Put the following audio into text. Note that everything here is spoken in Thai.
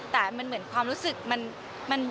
แต่มันเหมือนความรู้สึกมัน